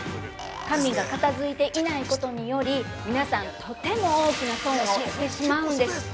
紙が片付いていないことにより、皆さんとても大きな損をしてしまうんです。